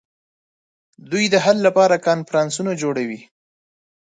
دوی د حل لپاره کنفرانسونه جوړوي